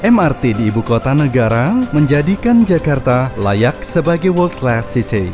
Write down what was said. mrt di ibu kota negara menjadikan jakarta layak sebagai world class city